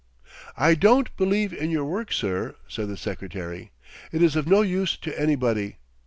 "I don't believe in your work, sir," said the secretary. "It is of no use to anybody.